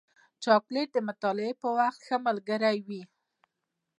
چاکلېټ د مطالعې پر وخت ښه ملګری وي.